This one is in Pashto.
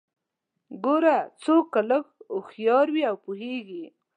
ګوره څوک که لږ هوښيار وي او پوهیږي